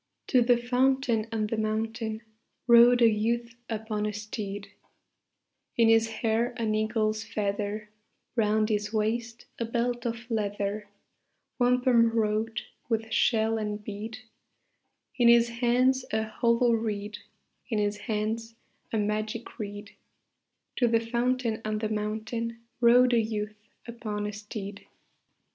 To the fountain on the mountain Rode a youth upon a steed; In his hair an eagle's feather; Round his waist a belt of leather, Wampum wrought with shell and bead; In his hands a hollow reed, In his hands a magic reed: To the fountain on the mountain Rode a youth upon a steed.